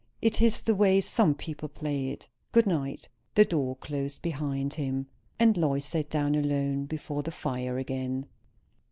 "It is the way some people play it. Good night." The door closed after him, and Lois sat down alone before the fire again.